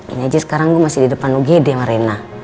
ini aja sekarang gue masih di depan lu gede sama rena